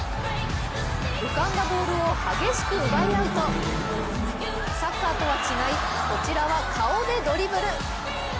浮かんだボールを激しく奪い合うとサッカーとは違い、こちらは顔でドリブル！